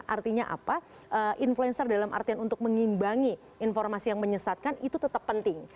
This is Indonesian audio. artinya apa influencer dalam artian untuk mengimbangi informasi yang menyesatkan itu tetap penting